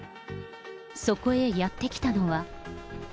そこへやって来たのは。